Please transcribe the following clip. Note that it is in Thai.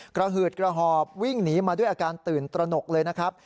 หืดกระหอบวิ่งหนีมาด้วยอาการตื่นตระหนกเลยนะครับ